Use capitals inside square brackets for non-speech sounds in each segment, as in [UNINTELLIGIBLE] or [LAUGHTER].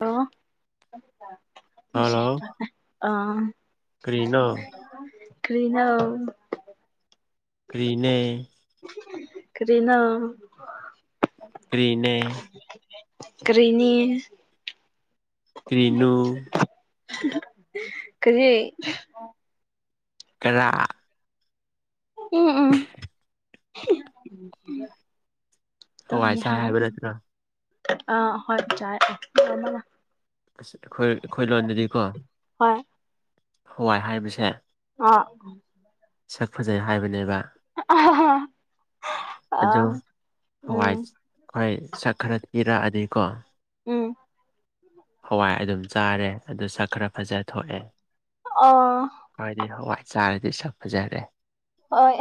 ꯑꯣ ꯍꯜꯂꯣ ꯑꯥ ꯀꯔꯤꯅꯣ [UNINTELLIGIBLE] ꯀꯔ꯭ꯤꯅꯣ ꯀ꯭ꯔꯤꯅꯦ ꯀꯔꯤꯅꯣ ꯀꯔꯤꯅꯦ ꯀꯔꯤꯅꯤ ꯀꯔꯤꯅꯨ ꯀꯔꯤ ꯀꯔꯥ ꯎꯝ ꯎꯝ ꯍꯋꯥꯏ ꯆꯥꯏ ꯍꯥꯏꯕ ꯅꯠꯇ꯭ꯔꯣ [UNINTELLIGIBLE] ꯑ ꯍꯣꯏ ꯆꯥꯏ [INAUDIBLE] ꯑꯁ ꯑꯩꯈꯣꯏ ꯑꯩꯈꯣꯏ ꯂꯣꯟꯗꯗꯤ ꯀꯣ ꯍꯣꯏ ꯍꯋꯥꯏ ꯍꯥꯏꯕꯁꯦ ꯑ [UNINTELLIGIBLE] [INAUDIBLE] ꯁꯛ ꯐꯖꯩ ꯍꯥꯏꯕꯅꯦꯕ ꯑ ꯎꯝ [UNINTELLIGIBLE] [INAUDIBLE] ꯍꯣꯏ ꯁꯛ ꯈꯔ ꯏꯔꯛꯑꯗꯤꯀꯣ ꯎꯝ [UNINTELLIGIBLE] [INAUDIBLE] ꯍꯋꯥꯏ ꯑꯗꯨꯝ ꯆꯥꯔꯦ ꯑꯗꯨ ꯁꯛ ꯈꯔ ꯐꯖ ꯊꯣꯛꯑꯦ ꯑꯣ.. ꯍꯥꯏꯗꯤ ꯍꯋꯥꯏ ꯆꯥꯔꯗꯤ ꯁꯛ ꯐꯖꯔꯦ ꯍꯣꯏ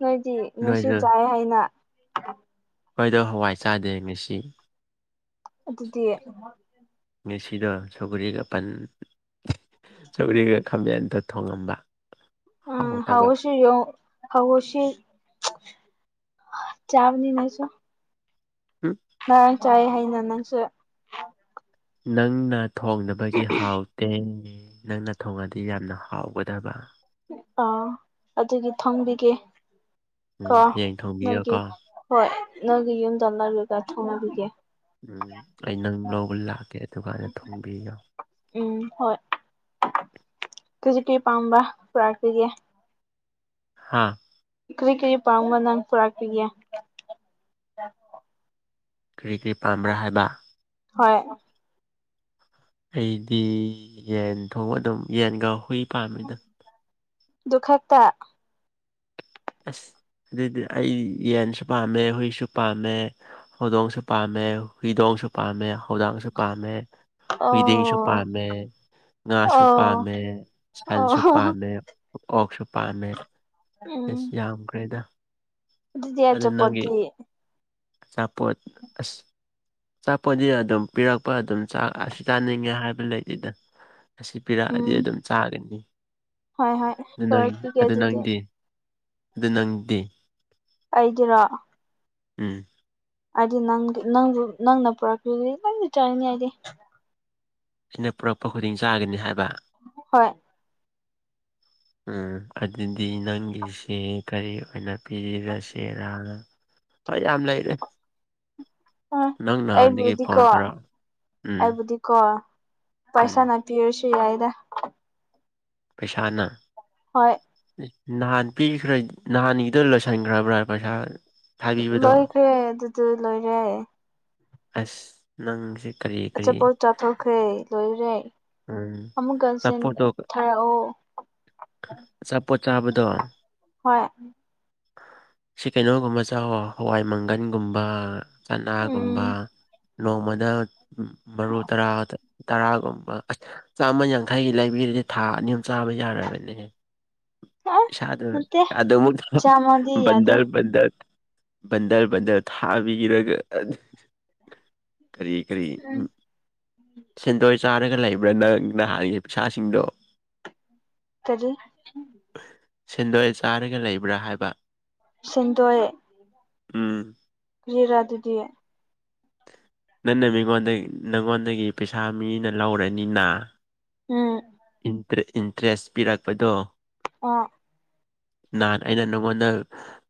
ꯅꯣꯏꯗꯤ ꯅꯣꯏꯁꯨ ꯅꯣꯏꯗꯣ ꯆꯥꯏ ꯍꯥꯏꯅ ꯈꯣꯏꯗꯣ ꯍꯋꯥꯏ ꯆꯥꯗꯦ ꯉꯁꯤ ꯑꯗꯨꯗꯤ ꯉꯁꯤꯗꯣ ꯁꯧꯒꯔꯤꯒ ꯄꯟ ꯆꯧꯔꯤꯒ ꯈꯥꯃꯦꯟꯇ ꯊꯣꯡꯉꯝꯕ ꯎꯝ ꯍꯥꯎ ꯍꯥꯎꯇꯕ ꯏꯁ ꯆꯤꯌꯣ ꯍꯧꯎꯁꯤ ꯆꯥꯕꯅꯤ ꯅꯁꯨ ꯎꯝ ꯅꯔꯥꯡ ꯆꯥꯏ ꯍꯥꯏꯅ ꯅꯪꯁꯨ ꯅꯪꯅ ꯊꯣꯡꯅꯕꯒꯤ ꯍꯥꯎꯇꯦ ꯅꯪꯅ ꯊꯣꯡꯉꯗꯤ ꯌꯥꯝꯅ ꯍꯥꯎꯒꯗꯕ ꯑꯥ ꯑꯗꯨꯒꯤ ꯊꯣꯡꯕꯤꯒꯦ ꯀꯣ ꯎꯝ ꯍꯌꯦꯡ ꯅꯣꯏꯒꯤ ꯊꯣꯡꯕꯤꯌꯣꯀꯣ ꯍꯣꯏ ꯅꯪꯒꯤ ꯌꯨꯝꯗꯅꯔꯒ ꯊꯣꯡꯅꯕꯤꯒꯦ ꯎꯝ ꯑꯩ ꯅꯪ ꯂꯧꯕ ꯂꯥꯛꯀꯦ ꯑꯗꯨꯒꯗ ꯊꯣꯡꯕꯤꯌꯣ ꯎꯝ ꯍꯣꯏ ꯀꯖꯤ ꯀꯤ ꯄꯥꯝꯕ ꯄꯨꯔꯥꯛꯄꯤꯒꯦ ꯍꯥꯥ ꯀꯔꯤ ꯀꯔꯤ ꯄꯥꯝꯕ ꯅꯪ ꯄꯨꯔꯛꯄꯤꯒꯦ ꯀꯔꯤ ꯀꯔꯤ ꯄꯥꯝꯕ꯭ꯔꯥ ꯍꯥꯏꯕ ꯍꯣꯏ ꯑꯩꯗꯤ ꯌꯦꯟ ꯊꯣꯡ ꯑꯗꯨꯝ ꯌꯦꯟꯒ ꯍꯨꯏ ꯄꯥꯝꯃꯤꯗ ꯗꯨꯈꯛꯇ ꯑꯁ ꯑꯗꯨꯗꯤ ꯑꯩ ꯌꯦꯟꯁꯨ ꯄꯥꯝꯃꯦ ꯍꯨꯏꯁꯨ ꯄꯥꯝꯃꯦ ꯍꯧꯗꯣꯡꯁꯨ ꯄꯥꯝꯃꯦ ꯍꯨꯏꯗꯣꯡꯁꯨ ꯄꯥꯝꯃꯦ ꯍꯧꯗꯪꯁꯨ ꯄꯥꯝꯃꯦ ꯍꯨꯏꯗꯤꯡꯁꯨ ꯑꯣ ꯄꯥꯝꯃꯦ ꯉꯥꯁꯨ ꯑꯣ ꯄꯥꯝꯃꯦ ꯁꯟꯁꯨ ꯑꯣ ꯄꯥꯝꯃꯦ ꯑꯣꯛꯁꯨ ꯄꯥꯝꯃꯦ ꯑꯦꯁ ꯎꯝ ꯌꯥꯝꯈ꯭ꯔꯦꯗ ꯑꯗꯨꯗꯤ ꯑꯗꯨ ꯅꯪꯒꯤ ꯑꯆꯥꯄꯣꯠꯇꯤ ꯑꯆꯥꯄꯣꯠ ꯑꯁ ꯑꯆꯥꯄꯣꯠꯗꯤ ꯑꯗꯨꯝ ꯄꯤꯔꯛꯄ ꯑꯗꯨꯝ ꯆꯥꯛ ꯑꯁꯤ ꯆꯥꯅꯤꯡꯉꯦ ꯍꯥꯏꯕ ꯂꯩꯇꯦꯗ ꯑꯁꯤ ꯄꯤꯔꯛꯑꯗꯤ ꯎꯝ ꯑꯗꯨꯝ ꯆꯥꯒꯅꯤ ꯍꯣꯏ ꯍꯣꯏ ꯑꯗꯨ ꯅꯪ ꯄꯨꯔꯛꯄꯤꯒꯦ ꯑꯗꯨ ꯑꯗꯨꯗꯤ ꯅꯪꯗꯤ ꯑꯗꯨ ꯅꯪꯗꯤ ꯑꯩꯗꯤꯔꯣ ꯎꯝ ꯑꯩꯗꯤ ꯅꯪꯒꯤ ꯅꯪꯕꯨ ꯅꯪꯅ ꯄꯨꯔꯛꯈꯤꯕꯗꯤ ꯂꯣꯏꯅ ꯆꯥꯅꯤꯡꯉꯦ ꯑꯩꯗꯤ ꯁꯤꯅ ꯄꯨꯔꯛꯄ ꯈꯨꯗꯤꯡ ꯆꯥꯒꯅꯤ ꯍꯥꯏꯕ ꯍꯣꯏ ꯎꯝ ꯑꯗꯨꯗꯤ ꯅꯪꯒꯤꯁꯦ ꯀꯔꯤ ꯑꯣꯏꯅ ꯄꯤꯕꯤꯔꯁꯦꯔꯥ ꯍꯣꯏ ꯌꯥꯝ ꯂꯩꯔꯦ ꯎꯝ ꯅꯪ ꯅꯍꯥꯟꯗꯒꯤ ꯐꯣꯟ ꯇꯧꯔꯛ ꯎꯝ ꯀꯣ ꯎꯝ ꯄꯩꯁꯥꯅ ꯄꯤꯔꯁꯨ ꯌꯥꯏꯗ ꯄꯩꯁꯥꯅ ꯍꯣꯏ ꯏ ꯅꯍꯥꯟ ꯄꯤꯈ꯭ꯔ ꯅꯍꯥꯟꯒꯤꯗꯣ ꯂꯣꯏꯁꯟꯈ꯭ꯔꯕ꯭ꯔꯥ ꯄꯩꯁꯥ ꯊꯥꯕꯤꯕꯗꯣ ꯂꯣꯏꯈ꯭ꯔꯦ ꯑꯗꯨꯗꯤ ꯂꯣꯏꯔꯦ ꯑꯁ ꯅꯪꯖꯤ ꯑꯆꯥꯄꯣꯠ ꯆꯥꯊꯣꯛꯈ꯭ꯔꯦ ꯂꯣꯏꯔꯦ ꯎꯝ ꯑꯃꯨꯛꯀ ꯁꯦꯟ ꯑꯆꯥꯄꯣꯠꯇꯣ ꯊꯥꯔꯛꯑꯣ ꯑꯆꯥꯄꯣꯠ ꯆꯥꯕꯗꯣ ꯍꯣꯏ ꯁꯤ ꯀꯩꯅꯣꯒꯨꯝꯕ ꯆꯥꯎꯋꯣ ꯍꯋꯥꯏ ꯃꯪꯒꯟꯒꯨꯝꯕ ꯆꯅꯥꯒꯨꯝꯕ ꯎꯝ ꯅꯣꯡꯃꯗ ꯃꯔꯨ ꯇꯔꯥ ꯇꯔꯥꯒꯨꯝꯕ ꯑꯁ ꯆꯥꯃ ꯌꯥꯡꯈꯩꯒꯤ ꯂꯩꯕꯤꯔꯗꯤ ꯊꯥ ꯑꯅꯤ ꯑꯍꯨꯝ ꯆꯥꯕ ꯌꯥꯔꯕꯅꯦꯍꯦ ꯑꯥ ꯏꯁꯥꯗꯨ ꯅꯠꯇꯦ ꯑꯗꯨꯃꯛ ꯆꯥꯝꯃꯗꯤ ꯌꯥꯗꯦ ꯕꯟꯗꯜ ꯕꯟꯗꯜ ꯕꯟꯗꯔ ꯕꯟꯗꯔ ꯊꯥꯕꯤꯔꯒ [UNINTELLIGIBLE] ꯀꯔꯤ ꯀꯔꯤ ꯎꯝ ꯁꯦꯟꯗꯣꯏ ꯆꯥꯔꯒ ꯂꯩꯕ꯭ꯔꯥ ꯅꯪ ꯅꯍꯥꯟꯒꯤ ꯄꯩꯁꯥꯁꯤꯡꯗꯣ ꯀꯔꯤ [UNINTELLIGIBLE] ꯁꯦꯟꯗꯣꯏ ꯆꯥꯔꯒ ꯂꯩꯕ꯭ꯔꯥ ꯍꯥꯏꯕ ꯁꯦꯟꯗꯣꯏ ꯎꯝ ꯀ꯭ꯔꯤꯔ ꯑꯗꯨꯗꯤ ꯅꯪꯅ ꯃꯤꯉꯣꯟꯗꯒꯤ ꯅꯪꯉꯣꯟꯗꯒꯤ ꯄꯩꯁꯥ ꯃꯤꯅ ꯂꯧꯔꯅꯤꯅ ꯎꯝ ꯏꯟꯇꯔꯦꯁ ꯏꯟꯇ‍ꯦꯁ ꯄꯤꯔꯛꯄꯗꯣ ꯑꯣ ꯅꯍꯥꯟ ꯑꯩꯅ ꯅꯪꯉꯣꯟꯗ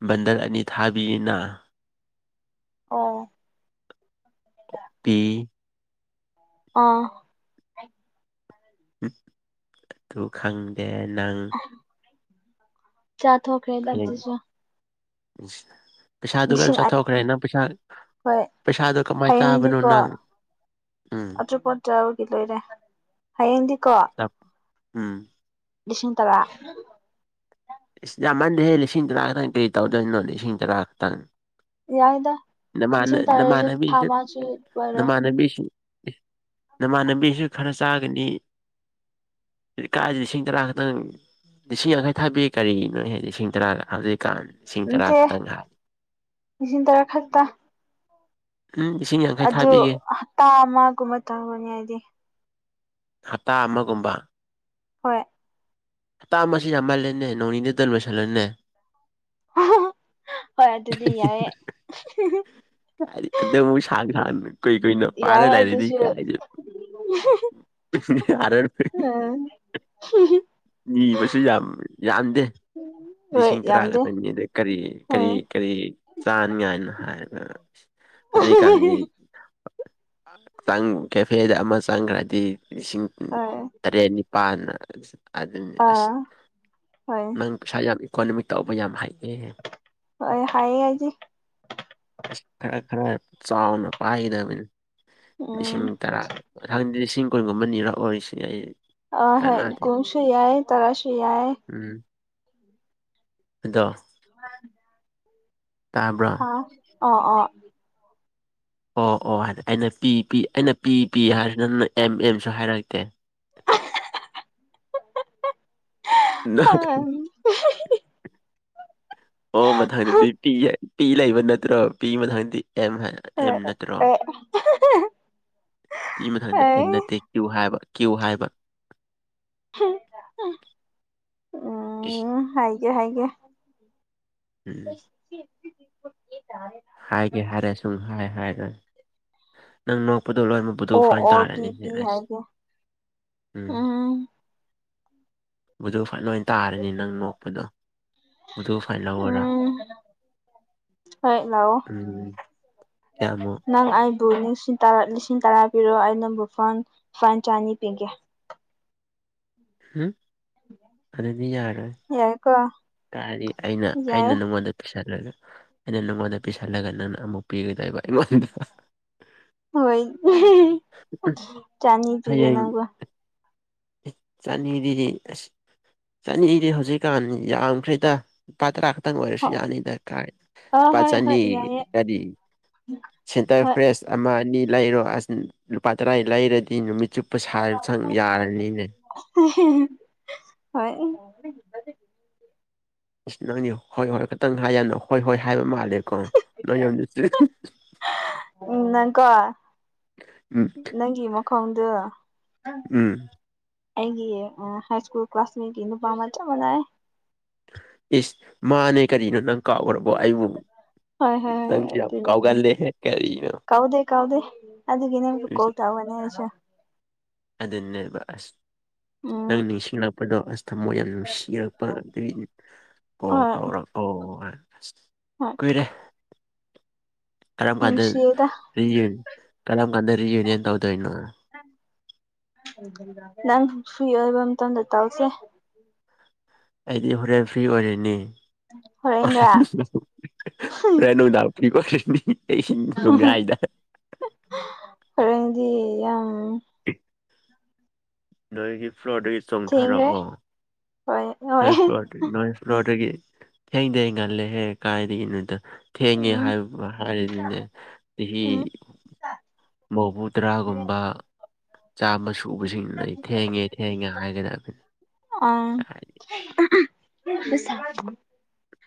ꯕꯟꯗꯜ ꯑꯅꯤ ꯊꯥꯕꯤꯔꯤꯅ ꯑꯣ [UNINTELLIGIBLE] ꯑꯥ ꯑꯗꯨ ꯈꯪꯗꯦ ꯅꯪ ꯆꯥꯊꯣꯛꯈꯔꯦꯗ ꯍꯌꯦꯡ ꯑꯗꯨꯁꯨ [UNINTELLIGIBLE] ꯄꯩꯁꯥꯗꯨ ꯂꯣꯏ ꯂꯤꯁꯤꯡ ꯑꯅꯤ ꯆꯠꯊꯣꯛꯈ꯭ꯔꯦ ꯅꯪ ꯄꯩꯁꯥ ꯍꯣꯏ ꯄꯩꯁꯥꯗꯨ ꯀꯃꯥꯏꯅ ꯆꯥꯕꯅꯣ ꯅꯪ ꯎꯝ ꯑꯇꯣꯞꯄ ꯇꯧꯔꯒꯥ ꯂꯣꯏꯔꯦ ꯍꯌꯦꯡꯗꯤꯀꯣ ꯎꯝ ꯂꯤꯁꯤꯡ ꯇꯔꯥ ꯏꯁ ꯌꯥꯝꯃꯟꯗꯦꯍꯦ ꯂꯤꯁꯤꯡ ꯇꯔꯥ ꯈꯛꯇꯪ ꯀꯔꯤ ꯇꯧꯗꯣꯏꯅꯣ ꯂꯤꯁꯤꯡ ꯇꯔꯥ ꯈꯛꯇꯪ ꯌꯥꯏꯗ ꯅ ꯃꯥꯅ ꯂꯤꯁꯤꯡ ꯅ ꯇꯔꯥꯁꯨ ꯊꯥ ꯃꯥꯅꯕꯤꯒ ꯑꯃꯁꯨ ꯂꯣꯏꯔꯣꯏ ꯅꯃꯥꯅꯕꯤꯁꯤꯡ ꯅꯃꯥꯟꯅꯕꯤꯁꯨ ꯈꯔ ꯆꯥꯒꯅꯤ ꯀꯥꯥꯏꯗꯩꯩ ꯂꯤꯁꯤꯡ ꯇꯔꯥ ꯈꯛꯇꯪ ꯂꯤꯁꯤꯡ ꯌꯥꯡꯈꯥꯏ ꯊꯥꯕꯤ ꯀꯔꯤꯅꯣꯅꯦ ꯂꯤꯁꯤꯡ ꯇꯔꯥꯗ ꯍꯧꯖꯤꯛꯀꯥꯟ ꯂꯤꯁꯤꯡ ꯇꯔꯥ ꯅꯠꯇꯦ ꯈꯛꯇꯪ ꯍꯥ ꯂꯤꯁꯤꯡ ꯇꯔꯥ ꯈꯛꯇ ꯎꯝ ꯂꯤꯁꯤꯡ ꯌꯥ ꯑꯗꯨ ꯍꯞꯇꯥ ꯑꯃꯒꯨꯝꯕ ꯇꯧꯔꯅꯤ ꯍꯥꯏꯗꯤ ꯍꯞꯇꯥ ꯑꯃꯒꯨꯝꯕ ꯍꯣꯏ ꯍꯞꯇ ꯑꯃꯥꯁꯤ ꯌꯥꯝꯃꯜꯂꯦꯅꯦ ꯅꯣꯡ ꯅꯤꯇ ꯂꯣꯏꯁꯤꯜꯂꯣꯅꯦ ꯍꯣꯏ ꯑꯗꯨꯗꯤ ꯌꯥꯏꯑꯦ ꯀ ꯑꯗꯨ ꯑꯃꯨꯛ ꯁꯥꯡ ꯁꯥꯡꯅ ꯀꯨꯏ ꯀꯨꯏꯅ ꯌꯥꯏ ꯄꯥꯔ ꯂꯩꯔꯗꯤ ꯑꯗꯨꯁꯨ ꯀꯥꯏꯅ ꯌꯥꯔꯥꯔꯣꯏ ꯍꯝ [UNINTELLIGIBLE] ꯅꯤꯕꯁꯨ ꯌꯥꯝ ꯌꯥꯝꯗꯦ ꯍꯣꯏ ꯂꯤꯁꯤꯡ ꯇꯔꯥ ꯌꯥꯝꯗꯦ ꯈꯛꯇꯥꯅꯤ ꯑꯗꯩ ꯀꯔꯤ ꯀꯔꯤ ꯎꯝ ꯀꯔꯤ ꯆꯥꯅꯤꯉꯥꯏꯅꯣ ꯍꯥꯏꯕ ꯍꯧꯖꯤꯛꯀꯥꯟꯒꯤ ꯀꯦꯐꯦꯗ ꯑꯃ ꯆꯪꯈ꯭ꯔꯗꯤ ꯂꯤꯁꯤꯡ ꯍꯣꯏ ꯇꯔꯦꯠ ꯅꯤꯄꯥꯟꯅ ꯑꯗꯨꯅꯤ ꯑꯁ ꯑꯥ ꯍꯣꯏ ꯅꯪ ꯄꯩꯁꯥ ꯌꯥꯝ ꯏꯀꯣꯅꯣꯃꯤꯛ ꯇꯧꯕ ꯌꯥꯝ ꯍꯩꯍꯦ ꯍꯣꯏ ꯍꯩꯌꯦ ꯑꯩꯗꯤ ꯑꯁ ꯈꯔ ꯈꯔ ꯆꯥꯎꯅ ꯄꯥꯏꯒꯗꯕꯅꯤ ꯂꯤꯁꯤꯡ ꯎꯝ ꯇꯔꯥ ꯃꯊꯪꯗꯤ ꯂꯤꯁꯤꯡ ꯀꯨꯟꯒꯨꯝꯕ ꯅꯤꯔꯛꯑꯣꯏꯁꯤ ꯑꯩ ꯑ ꯍꯣꯏ ꯀꯥꯟꯅꯗꯦ ꯀꯨꯟꯁꯨ ꯌꯥꯏ ꯇꯔꯥꯁꯨ ꯌꯥꯏ ꯎꯝ ꯑꯗꯣ [INAUDIBLE] ꯇꯥꯕ꯭ꯔꯣ ꯍꯥ ꯑꯣ ꯑꯣ ꯑꯣ ꯑꯣ ꯍꯥꯏꯗꯤ ꯑꯩꯅ ꯄꯤ ꯄꯤ ꯑꯩꯅ ꯄꯤ ꯄꯤ ꯍꯥꯏꯔꯁꯨ ꯅꯪꯅ ꯑꯦꯝ ꯑꯦꯝꯁꯨ ꯍꯥꯏꯔꯛꯇꯦ ꯅꯥ [UNINTELLIGIBLE] ꯑꯣ ꯃꯊꯪꯗꯗꯤ ꯄꯤ ꯄꯤ ꯂꯩꯕ ꯅꯠꯇ꯭ꯔꯣ ꯄꯤ ꯃꯊꯪꯗꯗꯤ ꯑꯦꯝ ꯍꯥꯏ ꯑꯦꯝ ꯅꯠꯇ꯭ꯔꯣ ꯄꯤ ꯃꯊꯪꯗ ꯑꯦꯝ ꯅꯠꯇꯦ ꯀ꯭ꯌꯨ ꯍꯥꯏꯕ ꯀ꯭ꯌꯨ ꯍꯥꯏꯕ ꯍꯨꯝ ꯏꯁ ꯎꯝ ꯍꯥꯏꯒꯦ ꯍꯥꯏꯒꯦ ꯎꯝ ꯍꯥꯏꯒꯦ ꯍꯥꯏꯔ ꯁꯨꯡꯍꯥꯏ ꯍꯥꯏꯔꯣꯏ ꯅꯪ ꯅꯣꯛꯄꯗꯣ ꯂꯣꯏꯃꯛ ꯑꯗꯨ ꯐꯥꯏꯟ ꯑꯣ ꯑꯣ ꯄꯤ ꯇꯥꯔꯅꯤꯅꯦ ꯄꯤ ꯑꯁ ꯍꯥꯏꯒꯦ ꯎꯝ ꯕꯨꯗꯨ ꯐꯥꯏꯟ ꯂꯣꯏ ꯇꯥꯔꯅꯤ ꯅꯪ ꯅꯣꯛꯄꯗꯣ ꯕꯨꯗꯨ ꯐꯥꯏꯟ ꯂꯧꯔꯣꯔ ꯎꯝ ꯍꯣꯏ ꯂꯧꯑꯣ ꯎꯝ ꯀꯌꯥꯃꯨꯛ ꯅꯪ ꯑꯩ [UNINTELLIGIBLE] ꯂꯤꯁꯤꯡ ꯇꯔꯥ ꯂꯤꯁꯤꯡ ꯇꯔꯥ ꯄꯤꯔꯣ ꯑꯩ ꯅꯪꯕꯨ ꯐꯣꯟ ꯐꯥꯏꯟ ꯆꯥꯅꯤ ꯄꯤꯒꯦ ꯎꯝ ꯑꯗꯨꯗꯤ ꯌꯥꯔꯣꯏ ꯌꯥꯏ ꯀꯣ ꯀꯥꯔꯤ ꯑꯩꯅ ꯑꯩꯅ ꯅꯪꯉꯣꯟꯗ ꯄꯤꯁꯜꯂꯒ ꯑꯩꯅ ꯅꯪꯉꯣꯟꯗ ꯄꯤꯁꯜꯂꯒ ꯅꯪꯅ ꯑꯃꯨꯛ ꯄꯤꯒꯗꯣꯏꯕ ꯑꯩꯉꯣꯟꯗ ꯍꯣꯏ ꯆꯥꯅꯤ ꯄꯤꯒꯦ ꯅꯪꯕꯨ ꯆꯥꯅꯤꯗꯨꯗꯤ ꯑꯁ ꯆꯥꯅꯤꯗꯤ ꯍꯧꯖꯤꯛꯀꯥꯟ ꯌꯥꯝꯈ꯭ꯔꯦꯗ ꯂꯨꯄꯥ ꯇꯔꯥ ꯈꯛꯇ ꯍꯣ ꯑꯣꯏꯔꯁꯨ ꯌꯥꯅꯤꯗ ꯀꯥꯏ ꯑ ꯂꯨꯄꯥ ꯍꯣꯏ ꯍꯣꯏ ꯆꯥꯅꯤꯒꯤ ꯌꯥꯏꯌꯦ ꯀꯔꯤ ꯁꯦꯟꯇꯔ ꯍꯣꯏ ꯐ꯭ꯔꯦꯁ ꯑꯃ ꯑꯅꯤ ꯂꯩꯔꯣ ꯑꯁ ꯂꯨꯄꯥ ꯇꯔꯥ ꯂꯩꯔꯗꯤ ꯅꯨꯃꯤꯠ ꯆꯨꯞ ꯄꯩꯁꯥꯁꯨ ꯆꯪ ꯌꯥꯔꯅꯤ ꯍꯣꯏ ꯑꯁ ꯅꯣꯏꯅꯤ ꯍꯣꯏ ꯍꯣꯏ ꯈꯇꯪ ꯍꯥꯏꯔꯅꯣ ꯍꯣꯏ ꯍꯣꯏ ꯍꯥꯏꯕ ꯃꯥꯜꯂꯦꯕ ꯀꯣ [UNINTELLIGIBLE] ꯎꯝ ꯅꯪ ꯀꯣ ꯎꯝ ꯅꯪꯒꯤ ꯃꯈꯣꯡꯗꯨ ꯎꯝ ꯑꯩꯒꯤ ꯑ ꯍꯥꯏ ꯁ꯭ꯀꯨꯜ ꯀ꯭ꯂꯥꯁꯃꯦꯠꯀꯤ ꯅꯨꯄꯥ ꯑꯃ ꯆꯞ ꯃꯥꯅꯩ ꯏꯁ ꯃꯥꯅꯦ ꯀꯔꯤꯅꯣ ꯅꯪ ꯀꯥꯎꯈ꯭ꯔꯕꯣ ꯑꯩꯕꯨꯨ ꯍꯣꯏ ꯍꯣꯏ ꯑꯗꯨꯅꯦ ꯀꯔꯤꯅꯣ ꯀꯥꯎꯗꯦ ꯀꯥꯎꯗꯦ ꯑꯗꯨꯒꯤꯅꯦ [UNINTELLIGIBLE] ꯇꯧꯕꯅꯦ ꯑꯩꯁꯨ ꯑꯗꯨꯅꯦꯕ ꯑꯁ ꯎꯝ ꯅꯪ ꯅꯤꯡꯁꯤꯡꯂꯛꯄꯗꯣ ꯑꯁ ꯊꯃꯣꯏ ꯌꯥꯝ ꯅꯨꯁꯤꯔꯛꯄ ꯑꯗꯨꯒꯤꯅꯦ ꯀꯣꯜ ꯍꯣꯏ ꯇꯧꯔꯛ ꯑꯣ ꯑꯁ ꯍꯣꯏ ꯀꯨꯏꯔꯦ ꯀꯔꯝ ꯀꯥꯟꯗ ꯅꯨꯡꯁꯤꯌꯦꯗ [UNINTELLIGIBLE] ꯀꯔꯝ ꯀꯥꯟꯗ ꯔꯤꯌꯨꯅꯤꯌꯟ ꯇꯧꯗꯣꯏꯅꯣ ꯅꯪ ꯁꯨꯏ ꯑꯣꯏꯕ ꯃꯇꯝꯗ ꯇꯧꯁꯦ ꯑꯩꯗꯤ ꯍꯣꯔꯦꯟ ꯐ꯭ꯔꯤ ꯑꯣꯏꯔꯦꯅꯤ ꯍꯣꯔꯦꯟꯔ ꯍꯣꯔꯦꯟ ꯍꯣꯔꯦꯟ ꯅꯨꯡꯗꯥ ꯐꯔꯤ ꯑꯣꯏꯔꯅꯤ ꯑꯍꯤꯡ ꯅꯣꯡꯌꯥꯏꯗ ꯍꯣꯔꯦꯟꯗꯤ ꯌꯥꯝ ꯅꯣꯏꯒꯤ ꯐ꯭ꯔꯣꯗꯩ ꯊꯦꯡꯉꯦ ꯍꯣꯏ ꯍꯣꯏ ꯐꯔꯁꯠ ꯐ꯭ꯂꯣꯔ ꯅꯣꯏ ꯐ꯭ꯂꯣꯔꯗꯒꯤ ꯊꯦꯡꯗ ꯉꯜꯂꯦ ꯍꯦ ꯀꯥꯏꯗꯒꯤꯅꯣꯗ ꯊꯦꯡꯉꯦ ꯎꯝ ꯍꯥꯏꯕ ꯍꯥꯏꯔꯤꯗꯤꯅꯦ ꯆꯍꯤ ꯃꯧꯕꯨ ꯇꯔꯥꯒꯨꯝꯕ ꯆꯥꯝꯃ ꯁꯨꯕꯁꯤꯡꯗꯨꯅ ꯑꯩ ꯊꯦꯡꯉꯦ ꯊꯦꯡꯉꯦ ꯍꯥꯏꯒꯗꯕꯅꯤ ꯑ ꯍꯥꯏꯗꯤ [UNINTELLIGIBLE]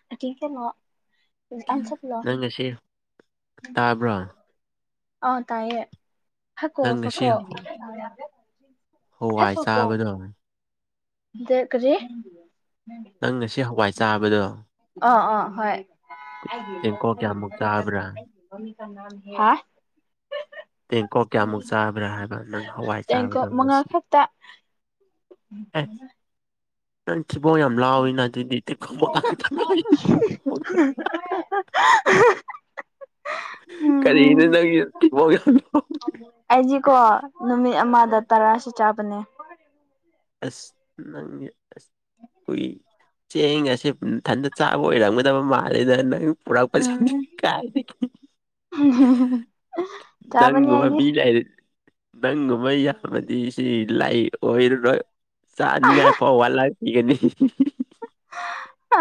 [UNINTELLIGIBLE] ꯅꯪ ꯉꯁꯤ ꯇꯥꯕ꯭ꯔꯣ ꯑꯥꯎ ꯇꯥꯏꯌꯦ ꯐꯀꯣ ꯅꯪ ꯉꯁꯤ ꯐꯀꯣ ꯍꯋꯥꯏ ꯆꯥꯕꯗꯣ ꯗ ꯀꯔꯤ ꯅꯪ ꯉꯁꯤ ꯍꯋꯥꯏ ꯆꯥꯕꯗꯣ ꯑ ꯑꯣ ꯍꯣꯏ ꯇꯦꯡꯀꯣꯠ ꯀꯌꯥꯃꯨꯛ ꯆꯥꯕ꯭ꯔꯥ ꯇꯦꯡꯀꯣꯠ ꯀꯌꯥꯃꯨꯛ ꯆꯥꯕ꯭ꯔꯥ ꯍꯥꯏꯕ ꯅꯪ ꯍꯋꯥꯏ [INAUDIBLE] ꯇꯦꯡꯀꯣꯛ ꯆꯥꯕꯗꯣ ꯃꯉꯥ ꯉꯁꯤ ꯈꯛꯇ [INAUDIBLE] ꯑꯦ ꯅꯪ ꯊꯤꯕꯣꯡ ꯌꯥꯝ ꯂꯥꯎꯏꯅ ꯑꯗꯨꯗꯤ ꯇꯦꯡꯀꯣꯠ ꯃꯉꯥ ꯈꯛꯇ [INAUDIBLE] ꯎꯝ ꯎꯝ ꯀꯔꯤꯅꯣ ꯅꯪ ꯊꯤꯕꯣꯡ ꯌꯥꯝ ꯂꯥꯎꯋꯤ ꯑꯩꯖꯤꯀꯣ ꯅꯨꯃꯤꯠ ꯑꯃꯗ ꯇꯔꯥꯁꯨ ꯆꯥꯕꯅꯦ ꯑꯁ ꯅꯪꯒꯤ ꯑꯁ ꯈꯣꯏ ꯆꯦꯡ ꯑꯁꯦ ꯊꯟꯗ ꯆꯥꯕ ꯑꯣꯏꯔꯝꯒꯗꯕ ꯃꯥꯜꯂꯦꯗ ꯅꯪ ꯄꯨꯔꯥꯄꯁꯤ ꯎꯝ ꯀꯥꯏꯗꯒꯤ ꯆꯥꯕꯅꯤ ꯅꯪꯒꯨꯝꯕ ꯑꯩꯗꯤ ꯃꯤ ꯂꯩꯔ ꯅꯪꯒꯨꯝꯕ ꯌꯥꯃꯗꯤ ꯁꯤ ꯂꯥꯏ ꯑꯣꯏꯔꯔꯣꯏ ꯆꯥꯅꯤꯉꯥꯏ ꯐꯥꯎ ꯋꯥꯠꯂ ꯏꯒꯅꯦ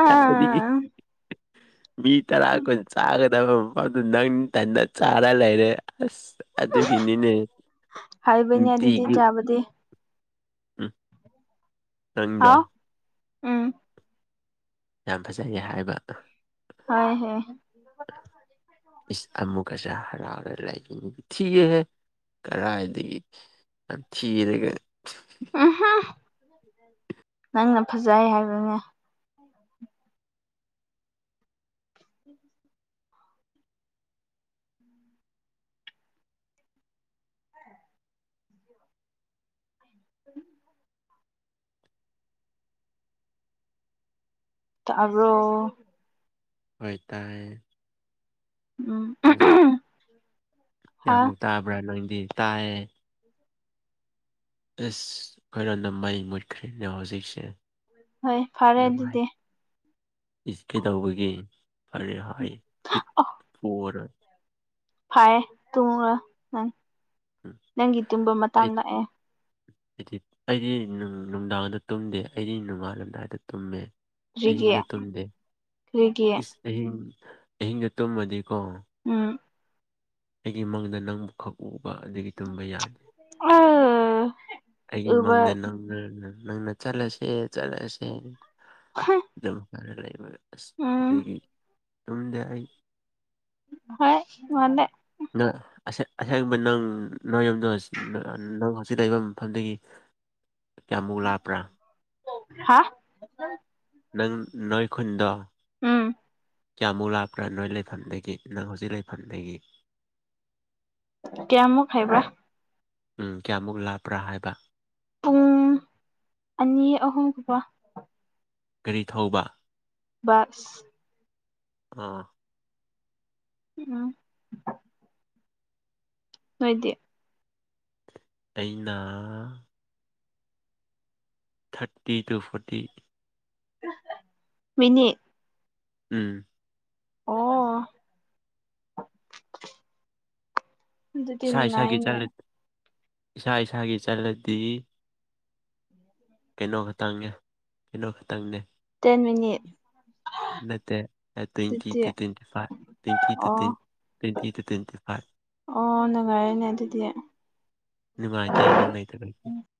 [UNINTELLIGIBLE] ꯃꯤ ꯇꯔꯥ ꯀꯨꯟ ꯆꯥꯒꯗꯕ ꯃꯐꯝꯗꯨ ꯅꯪꯊꯟꯅ ꯆꯥꯔ ꯂꯩꯔꯦ ꯑꯁ ꯑꯗꯨꯒꯤꯅꯤꯅꯦ ꯅꯨꯡꯇꯤꯒꯤ ꯗꯤ ꯎꯝ ꯅꯪꯗꯣ ꯍꯥꯎ ꯎꯝ ꯌꯥꯝ ꯐꯖꯩꯌꯦ ꯍꯥꯏꯕ ꯇꯥꯏꯍꯦ ꯑꯁ ꯑꯃꯨꯛꯀꯁꯦ ꯍꯔꯥꯎꯒ ꯂꯥꯏꯅꯤꯡ ꯊꯤꯌꯦꯍꯦ ꯀꯔꯥꯏꯗꯒꯤ ꯌꯝꯊꯤꯔꯒ ꯎꯝ ꯅꯪꯅ ꯐꯖꯩ ꯍꯥꯏꯕꯅꯦ [INAUDIBLE] [INAUDIBLE] ꯇꯥꯕꯔꯣ ꯍꯣꯏ ꯇꯥꯏꯌꯦ ꯎꯝ ꯍꯥ ꯀꯌꯥꯃꯨꯛ ꯇꯥꯕ꯭ꯔꯥ ꯅꯣꯏꯗꯤ ꯇꯥꯏꯌꯦ ꯑꯁ ꯑꯩꯈꯣꯏꯔꯣꯝꯗ ꯃꯩ ꯃꯨꯠꯈ꯭ꯔꯦꯅꯦ ꯍꯧꯖꯤꯛꯁꯦ ꯍꯣꯏ ꯐꯔꯦ ꯅꯨꯡꯉꯥꯏ ꯑꯗꯨꯗꯤ ꯏꯁ ꯀꯩꯗꯧꯕꯒꯤ [UNINTELLIGIBLE] ꯐꯥꯏ ꯇꯨꯝꯃꯨꯔꯣ ꯅꯪ ꯎꯝ ꯅꯪꯒꯤ ꯇꯨꯝꯕ ꯃꯇꯥꯡ ꯑꯩ ꯂꯥꯛꯑꯦ ꯑꯩꯗꯤ ꯑꯩꯗꯤ ꯅꯨꯡ ꯅꯨꯡꯗꯥꯡꯗ ꯇꯨꯝꯗꯦ ꯑꯩꯗꯤ ꯅꯣꯡꯉꯥꯜꯂꯝꯗꯥꯏꯗ ꯇꯨꯝꯃꯦ ꯀꯔꯤꯒꯤ ꯑꯍꯤꯡꯗ ꯇꯨꯝꯗꯦ ꯀꯔꯤꯒꯤ ꯏꯁ ꯑꯍꯤꯡ ꯑꯍꯤꯡꯗ ꯇꯨꯝꯃꯗꯤꯀꯣ ꯎꯝ ꯑꯩꯒꯤ ꯃꯪꯗ ꯅꯪꯕꯨ ꯈꯛ ꯎꯕ ꯑꯗꯨꯒꯤ ꯇꯨꯝꯕ ꯌꯥꯗꯦ ꯑꯥ ꯑꯩꯒꯤ ꯃꯪꯗ ꯅꯪꯅ ꯅꯪꯅ ꯆꯠꯂꯁꯦ ꯆꯠꯂꯁꯦ ꯑꯗꯨꯝ ꯑꯗꯨ ꯂꯩꯕ ꯑꯁ ꯎꯝ ꯑꯗꯨꯒꯤ ꯇꯨꯝꯗꯦ ꯑꯩ ꯍꯣꯏ ꯃꯥꯂꯦ ꯅꯪ ꯑꯁꯦꯡꯕ ꯅꯪ ꯅꯣꯏ ꯌꯨꯝꯗꯣ ꯅꯪ ꯍꯧꯖꯤꯛ ꯂꯩꯕ ꯃꯐꯝꯗꯒꯤ ꯀꯌꯥꯃꯨꯛ ꯂꯥꯞꯄ꯭ꯔꯥ ꯍꯥ ꯑ [INAUDIBLE] ꯅꯪ ꯅꯣꯏ ꯈꯨꯟꯗꯣ ꯎꯝ ꯀꯌꯥꯃꯨꯛ ꯂꯥꯛꯄ꯭ꯔꯥ ꯅꯣꯏ ꯂꯩꯐꯝꯗꯒꯤ ꯅꯪ ꯍꯧꯖꯤꯛ ꯂꯩꯐꯝꯗꯒꯤ ꯀꯌꯥꯃꯨꯛ ꯈꯥꯏꯕ꯭ꯔꯥ ꯎꯝ ꯀꯌꯥꯃꯨꯛ ꯂꯥꯞꯄ꯭ꯔꯥ ꯍꯥꯏꯕ ꯄꯨꯡ ꯑꯅꯤ ꯑꯍꯨꯝꯒꯨꯝꯕ ꯒꯥꯔꯤ ꯊꯧꯕ ꯁ [UNINTELLIGIBLE] ꯑꯥ ꯎꯝ ꯅꯣꯏꯗꯤ ꯑꯩꯅꯥ ꯊꯥꯔꯇꯤ ꯇꯨ ꯐꯣꯔꯇꯤ ꯃꯤꯅꯤꯠ ꯎꯝ ꯑꯣ ꯑꯗꯨꯗꯤ ꯏꯁꯥ ꯏꯁꯥꯒꯤ ꯅꯨꯡꯉꯥꯏꯅꯦ ꯆꯠꯂ ꯏꯁꯥ ꯏꯁꯥꯒꯤ ꯆꯠꯂꯗꯤ ꯀꯩꯅꯣ ꯈꯇꯪꯅꯦ ꯀꯩꯅꯣ ꯈꯇꯪꯅꯦ ꯇꯦꯟ ꯃꯤꯅꯤꯠ ꯅꯠꯇꯦ ꯇ꯭ꯋꯦꯟꯇꯤ ꯑꯗꯨꯗꯤ two twenty five twenty two ꯑꯣ twenty twenty two twenty five ꯑꯣ ꯅꯨꯡꯉꯥꯏꯔꯦꯅꯦ ꯑꯗꯨꯗꯤ ꯅꯨꯡꯉꯥꯢꯇꯦ ꯅꯪ ꯂꯩꯇꯕꯁꯦ